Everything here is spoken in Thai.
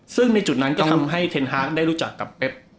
ซึ่งในจุดนั้นก็ทำให้เทนฮาร์กได้รู้จักกับเป๊บ